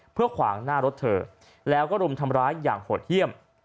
เพื่อขวางหน้ารถเธอแล้วก็รุมทำร้ายอย่างโหดเยี่ยม